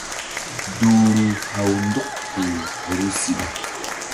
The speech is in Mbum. Duhru haw ndɔk kpuh vbu siɓa.